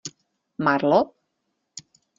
Marlo?